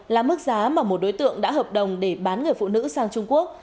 là mức giá mà một đối tượng đã hợp đồng để bán người phụ nữ sang trung quốc